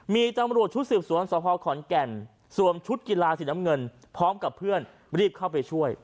มีตำรวจชุดสืบสวนสภขอนแก่นสวมชุดกีฬาสีน้ำเงินพร้อมกับเพื่อนรีบเข้าไปช่วย